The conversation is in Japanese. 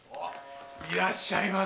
いらっしゃいませ。